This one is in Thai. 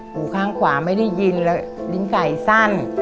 หูข้างขวาไม่ได้ยินแล้วลิ้นไก่สั้น